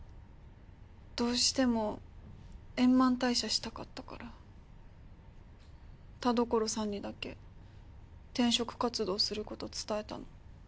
どうしても円満退社したかったから田所さんにだけ転職活動すること伝えたの。